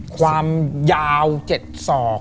ความยาว๗ศอก